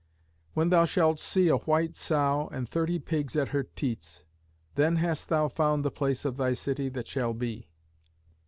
When thou shalt see a white sow and thirty pigs at her teats, then hast thou found the place of thy city that shall be.